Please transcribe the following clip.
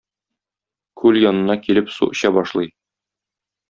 Күл янына килеп су эчә башлый.